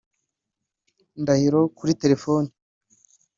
Ndahiro kuri telefone